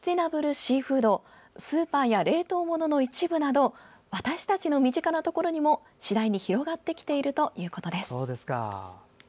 シーフードスーパーや冷凍物の一部など私たちの身近なところにも次第に広がってきているということです。